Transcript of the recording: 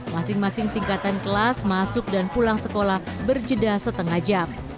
masing masing tingkatan kelas masuk dan pulang sekolah berjeda setengah jam